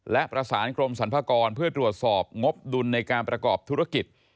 และประสานกรมสรรพากรเพื่อตรวจสอบงบดุลในการประกอบธุรกิจ